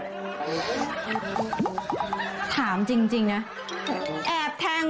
โทรมาน